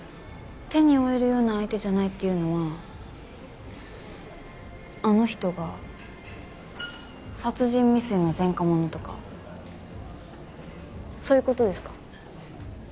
手に負えるような相手じゃないっていうのはあの人が殺人未遂の前科者とかそういう事ですか？